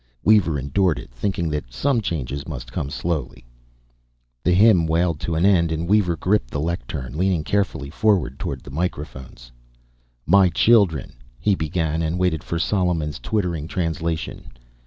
Weaver endured it, thinking that some changes must come slowly. The hymn wailed to an end, and Weaver gripped the lectern, leaning carefully forward toward the microphones. "My children," He began, and waited for Solomon's twittering translation.